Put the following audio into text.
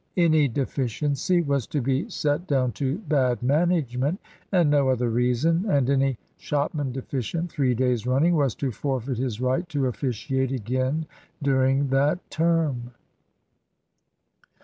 Any deficiency was to be set down to bad management, and no other reason; and any shopman deficient three days running was to forfeit his right to officiate again during that term.